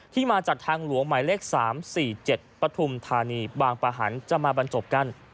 ที่มาจากทางหลวงหมายเลข๓๔๗ปฐุมธานีบางประหันจะมาบรรจบกัน